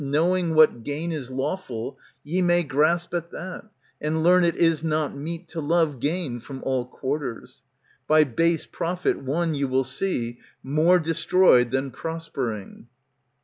Knowing what gain is lawful, ye may grasp •'* At that, and learn it is not meet to love Gain from all quarters. By base profit won You will see more destroyed than prospering.